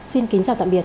xin kính chào tạm biệt